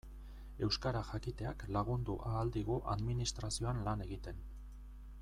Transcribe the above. Euskara jakiteak lagundu ahal digu administrazioan lan egiten.